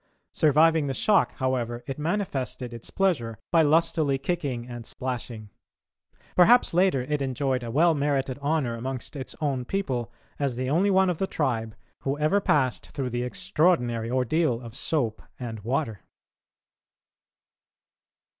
Surviving the shock, however, it manifested its pleasure by lustily kicking and splashing. Perhaps later it enjoyed a well merited honour amongst its own people as the only one of the tribe who ever passed through the extraordinary ordeal of soap and water.